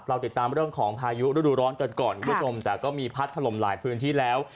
ติดตามเรื่องของพายุฤดูร้อนกันก่อนคุณผู้ชมแต่ก็มีพัดถล่มหลายพื้นที่แล้ว